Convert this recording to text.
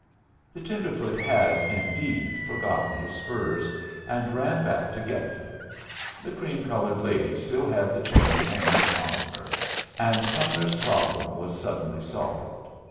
The tenderfoot had, indeed, forgotten his spurs, and he ran back to get them. The cream colored lady still had the chain hanging upon her, and Cumnor's problem was suddenly solved.